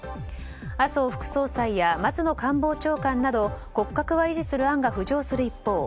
麻生副総裁や松野官房長官など骨格は維持する案は浮上する一方